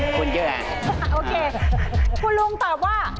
โอเคคุณลุงตอบว่า